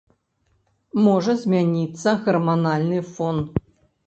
Можа змяніцца гарманальны фон.